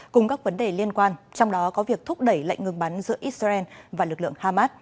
cùng các vấn đề liên quan trong đó có việc thúc đẩy lệnh ngừng bắn giữa israel và lực lượng hamas